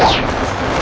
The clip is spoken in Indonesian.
rayus rayus sensa pergi